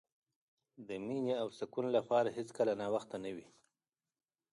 د مینې او سکون لپاره هېڅکله ناوخته نه وي.